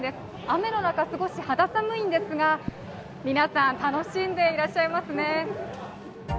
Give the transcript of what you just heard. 雨の中少し肌寒いんですが、皆さん楽しんでいらっしゃいますね。